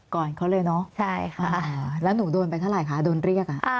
ก่อนเขาเลยเนอะใช่ค่ะแล้วหนูโดนไปเท่าไหร่คะโดนเรียก